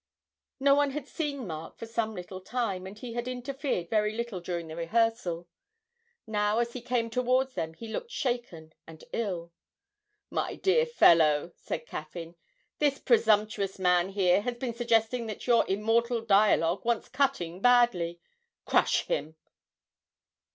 No one had seen Mark for some little time, and he had interfered very little during the rehearsal. Now as he came towards them he looked shaken and ill. 'My dear fellow,' said Caffyn, 'this presumptuous man here has been suggesting that your immortal dialogue wants cutting badly. Crush him!'